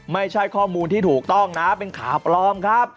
ไม่ใช่ข้อมูลที่ถูกต้องนะเป็นข่าวปลอมครับ